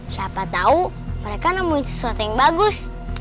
siapa tahu mereka nemuin sesuatu yang bagus